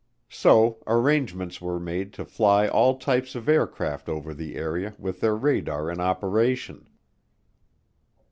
So arrangements were made to fly all types of aircraft over the area with their radar in operation.